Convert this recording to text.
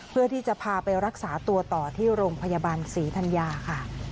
เพื่อที่จะพาไปรักษาตัวต่อที่โรงพยาบาลศรีธัญญาค่ะ